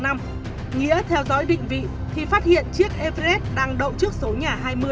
nghĩa theo dõi định vị thì phát hiện chiếc everes đang đậu trước số nhà hai mươi